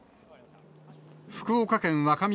福岡県若宮